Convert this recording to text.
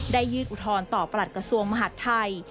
ยื่นอุทธรณ์ต่อประหลัดกระทรวงมหาดไทย